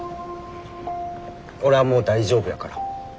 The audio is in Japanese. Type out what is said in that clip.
俺はもう大丈夫やから。